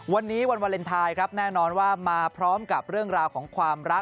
วันนี้วันวาเลนไทยครับแน่นอนว่ามาพร้อมกับเรื่องราวของความรัก